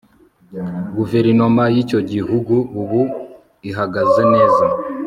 Guverinoma yicyo gihugu ubu ihagaze neza